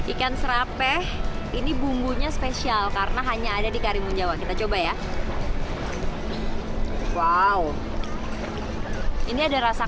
ikan serape ini bumbunya spesial karena hanya ada di karimun jawa kita coba ya wow ini ada rasa